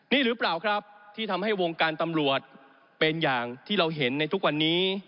นี่หรือเปล่าครับที่ทำให้วงการตำรวจเป็นอย่างที่เราเห็นในทุกวันนี้